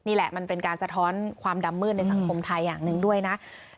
นี่แหละมันเป็นการสะท้อนความดำมืดในสังคมไทยอย่างหนึ่งด้วยนะ